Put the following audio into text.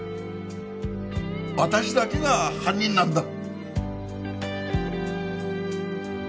私だけが犯人なんだ。